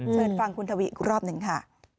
เชิญฟังคุณทวีอีกรอบหนึ่งค่ะ